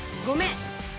ごめん。